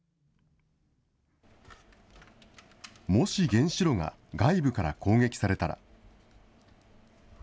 もし原子炉が外部から攻撃されたら。